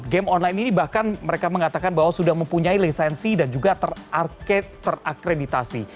game online ini bahkan mereka mengatakan bahwa sudah mempunyai lisensi dan juga terakreditasi